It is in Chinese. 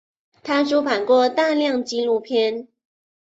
他出版过大量纪录片。